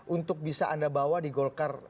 untuk bisa anda bawa di golkar